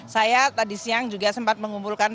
saya tadi siang juga sempat mengumpulkan